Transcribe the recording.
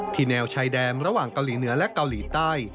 ที่แนวชัยแดมระหว่างกาลีเหนือและกาลีใต้